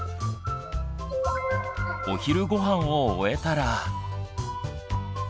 お昼ご飯を終えたら。